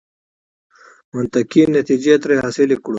منطقي نتیجې ترې حاصلې کړو.